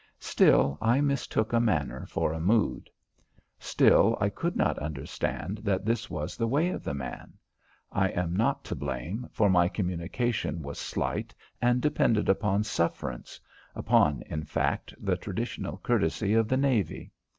Still I mistook a manner for a mood. Still I could not understand that this was the way of the man. I am not to blame, for my communication was slight and depended upon sufferance upon, in fact, the traditional courtesy of the navy.